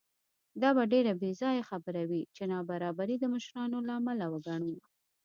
دا به ډېره بېځایه خبره وي چې نابرابري د مشرانو له امله وګڼو.